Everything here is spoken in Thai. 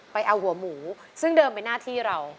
ไปเอาหัวหมูซึ่งเดิมเป็นหน้าที่เรา